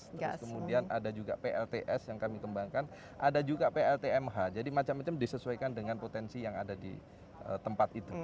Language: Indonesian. terus kemudian ada juga plts yang kami kembangkan ada juga pltmh jadi macam macam disesuaikan dengan potensi yang ada di tempat itu